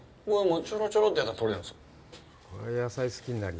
ちょろちょろってやったら取れるんですよ。